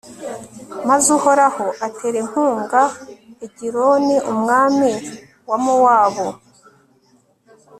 maze uhoraho atera inkunga egiloni, umwami wa mowabu